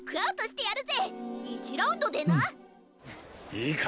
いいか？